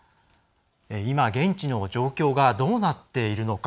今、現地の状況がどうなっているのか。